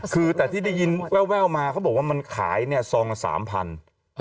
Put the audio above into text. คือแต่ที่ได้ยินแววมาเขาบอกว่ามันขายเนี่ยซองละ๓๐๐บาท